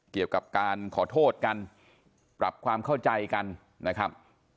เกี่ยวกับการขอโทษกันปรับความเข้าใจกันนะครับ